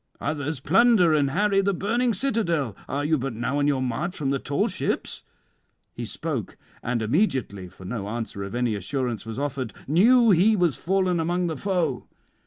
others plunder and harry the burning citadel; are you but now on your march from the tall ships?" He spoke, and immediately (for no answer of any assurance was offered) knew he was fallen among the foe.